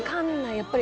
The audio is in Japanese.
やっぱり。